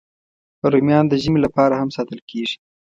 رومیان د ژمي لپاره هم ساتل کېږي